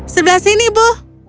sebelah sini bu